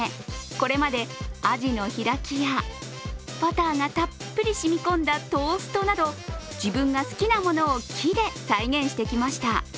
これまで、あじの開きやバターがたっぷり染み込んだトーストなど自分が好きなものを木で再現してきました。